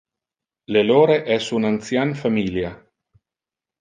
Le lore es un ancian familia.